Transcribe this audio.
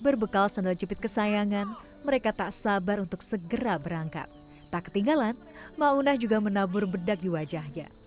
berbekal sandal jepit kesayangan mereka tak sabar untuk segera berangkat tak ketinggalan maunah juga menabur bedak di wajahnya